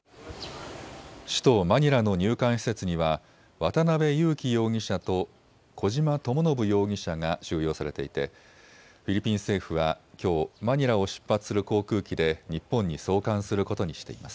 首都マニラの入管施設には渡邉優樹容疑者と小島智信容疑者が収容されていてフィリピン政府はきょう、マニラを出発する航空機で日本に送還することにしています。